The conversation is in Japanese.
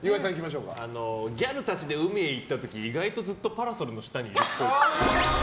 ギャルたちで海に行った時意外とずっとパラソルの下にいるっぽい。